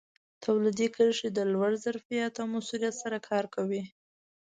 تولیدي کرښې د لوړ ظرفیت او موثریت سره کار کوي.